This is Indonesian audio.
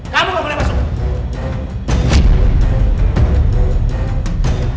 kamu nggak boleh masuk